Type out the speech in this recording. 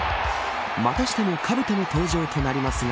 またしてもかぶとの登場となりますが